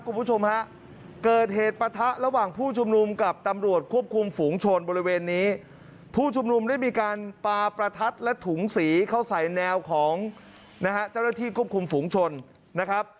คุณผู้ชมฮะเกิดเหตุปะทะระหว่างผู้ชุมนุมกับตำรวจควบคุมฝูงชนบริเวณนี้ผู้ชุมนุมได้มีการปาประทัดและถุงสีเข้าใส่แนวของนะฮะเจ้าหน้าที่ควบคุมฝูงชนนะครับ